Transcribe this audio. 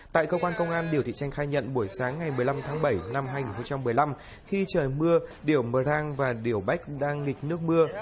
tại cơ quan công an điều thị tranh khai nhận buổi sáng ngày một mươi năm tháng bảy năm hai nghìn một mươi năm khi trời mưa điều mờ rang và điều bách đang nghịch nước mưa